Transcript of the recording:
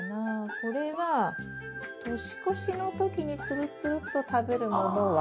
これは年越しの時につるつるっと食べるものは？